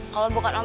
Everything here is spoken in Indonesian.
kalau bukan om